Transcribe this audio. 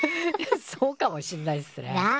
そうかもしんないっすね。なあ？